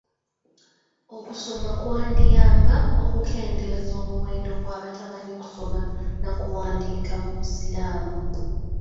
Okusoma kwandiyamba okukendeeza omuwendo gw'abatamanyi kusoma na kuwandiika mu busiramu.